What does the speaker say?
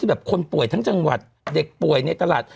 แบบคนป่วยทั้งจังหวัดเด็กป่วยในตลาด